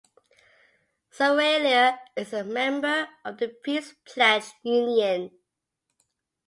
Serraillier was a member of the Peace Pledge Union.